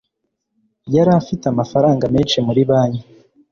yari afite amafaranga menshi muri banki